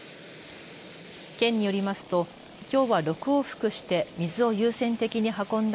県によりますときょうは６往復して水を優先的に運んだ